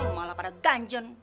malah pada ganjen